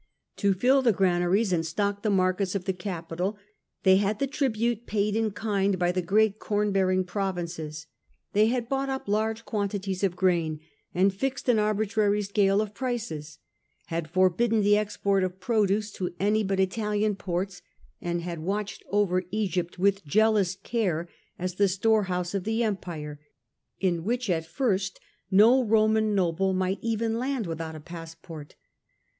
To fill the granaries and The policy stock the markets of the capital they had of Trajan the tribute paid in kind by the great corn tn*the^coni^ bearing provinces. They had bought up large quantities of grain and fixed an arbitrary scale of prices, had forbidden the export of produce to any but Italian ports, and had watched over Egypt with a jealous eare as the storehouse of the empire, in which at first no Roman noble might even land without a passport.